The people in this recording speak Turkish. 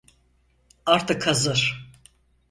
Artık hazır.